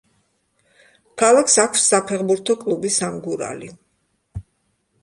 ქალაქს აქვს საფეხბურთო კლუბი „სამგურალი“.